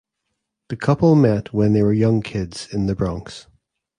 The couple met when they were young kids in the Bronx.